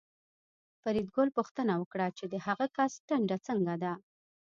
فریدګل پوښتنه وکړه چې د هغه کس ټنډه څنګه ده